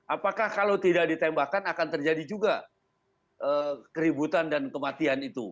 apakah kalau tidak ditembakkan akan terjadi juga keributan dan kematian itu